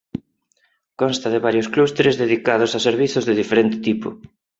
Consta de varios clústeres dedicados a servizos de diferente tipo.